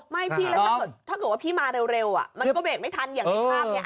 ถ้าเกิดว่าพี่มาเร็วมันก็เบรกไม่ทันอย่างที่ภาพนี้